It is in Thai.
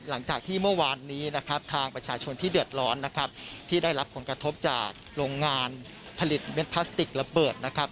หลังจากที่เมื่อวานนี้นะครับทางประชาชนที่เดือดร้อนนะครับที่ได้รับผลกระทบจากโรงงานผลิตเม็ดพลาสติกระเบิดนะครับ